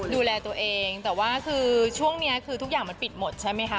ดูแลตัวเองแต่ว่าคือช่วงนี้คือทุกอย่างมันปิดหมดใช่ไหมคะ